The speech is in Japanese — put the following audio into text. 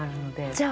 じゃあ。